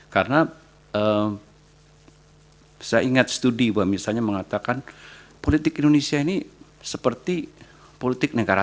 karena saya ingat studi bahwa misalnya mengatakan politik indonesia ini seperti politik negara teater gitu